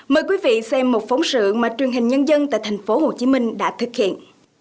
mời quý vị xem một phóng sự mà truyền hình nhân dân tại thành phố hồ chí minh đã thực hiện